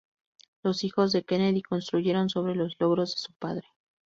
Los hijos de Kennedy construyeron sobre los logros de su padre.